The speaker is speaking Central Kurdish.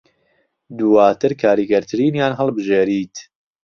دوواتر کاریگەرترینیان هەڵبژێریت